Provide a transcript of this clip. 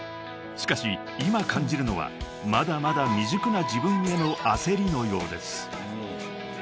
［しかし今感じるのはまだまだ未熟な自分への焦りのようです］